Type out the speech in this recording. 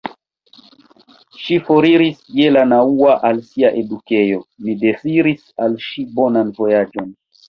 Ŝi foriris je la naŭa al sia edukejo; mi deziris al ŝi bonan vojaĝon.